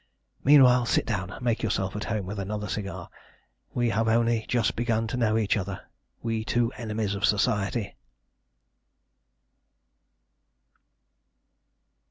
Meanwhile sit down and make yourself at home with another cigar. We have only just begun to know each other we two enemies of Society!"